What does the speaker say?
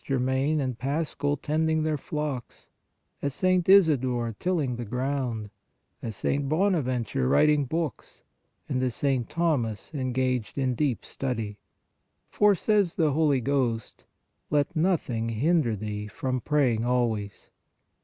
Germaine and Paschal tending their flocks, as St. Isidore tilling the ground, as St. Bonaventure writing books, and as St. Thomas engaged in deep study, for, says the Holy Ghost, " let nothing hinder thee from praying always